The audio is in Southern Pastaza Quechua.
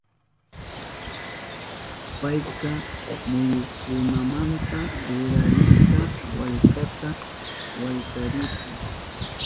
Payka muyukunamanta rurarishka wallkata wallkarirka.